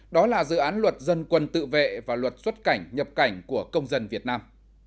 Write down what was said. đó là dự án luật dân quân tự vệ và luật xuất cảnh nhập cảnh của công dân việt nam